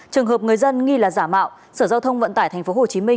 trường hợp người dân nghi là giả mạo sở giao thông vận tải tp hcm